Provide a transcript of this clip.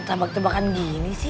tabak tabakan gini sih